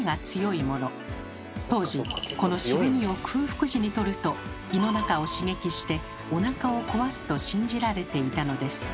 当時この渋みを空腹時にとると胃の中を刺激しておなかを壊すと信じられていたのです。